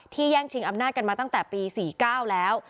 แย่งชิงอำนาจกันมาตั้งแต่ปี๔๙แล้ว